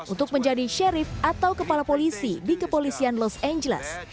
untuk menjadi sherif atau kepala polisi di kepolisian los angeles